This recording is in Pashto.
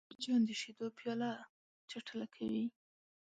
مچان د شیدو پیاله چټله کوي